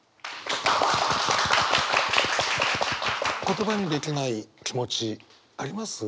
言葉にできない気持ちあります？